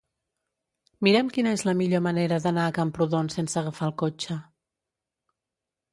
Mira'm quina és la millor manera d'anar a Camprodon sense agafar el cotxe.